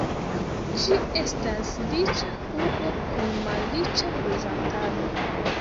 Ĝi estas riĉa urbo kun malriĉa loĝantaro.